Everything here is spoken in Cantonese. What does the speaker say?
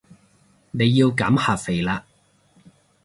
你要減下肥啦